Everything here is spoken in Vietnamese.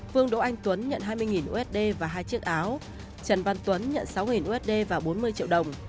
phương đỗ anh tuấn nhận hai mươi usd và hai chiếc áo trần văn tuấn nhận sáu usd và bốn mươi triệu đồng